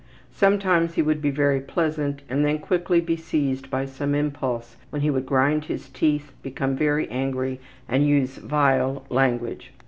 Sometimes he would be very pleasant, and then quickly be seized by some impulse when he would grind his teeth, become very angry, and use vile language.